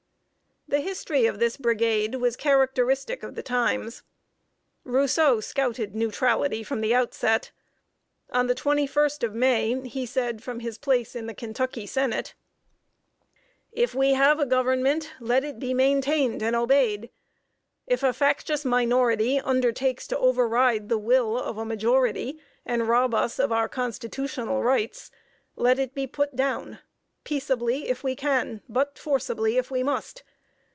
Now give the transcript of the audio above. The history of this brigade was characteristic of the times. Rousseau scouted "neutrality" from the outset. On the 21st of May, he said from his place in the Kentucky Senate: "If we have a Government, let it be maintained and obeyed. If a factious minority undertakes to override the will of the majority and rob us of our constitutional rights, let it be put down peaceably if we can, but forcibly if we must.